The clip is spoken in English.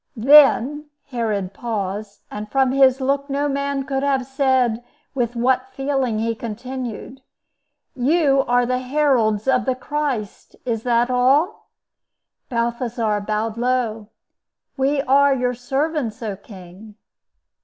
"Then"—Herod paused, and from his look no man could have said with what feeling he continued—"you are the heralds of the Christ. Is that all?" Balthasar bowed low. "We are your servants, O king."